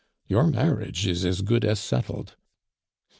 Your marriage is as good as settled."